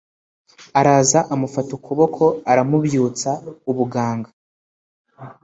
Araza amufata ukuboko aramubyutsa ubuganga